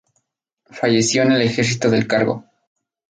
Falleció en el ejercicio del cargo.